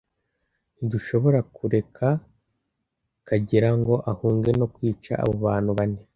Ntidushobora kureka Kagera ngo ahunge no kwica abo bantu bane.